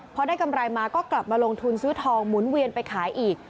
พอได้กำไรมาก็กลับมาลงทุนซื้อทองหมุนเวียนไปขายอีก